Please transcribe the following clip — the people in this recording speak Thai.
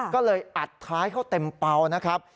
ก็เลยอัดท้ายเข้าเต็มเปล่านะครับ